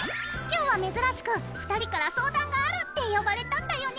今日は珍しく２人から相談があるって呼ばれたんだよね。